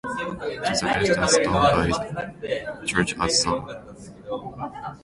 To the left a stone by the church at Sal.